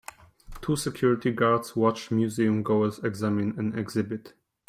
Two security guards watch museum goers examine an exhibit.